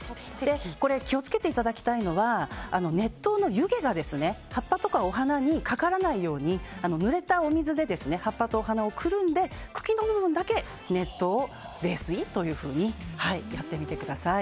気を付けていただきたいのは熱湯の湯気が葉っぱとかお花にかからないようにぬれた水で葉っぱとお花をくるんで茎の部分だけ熱湯、冷水というふうにやってみてください。